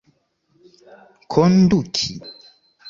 konduki